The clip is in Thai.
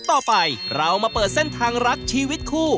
ต่อไปเรามาเปิดเส้นทางรักชีวิตคู่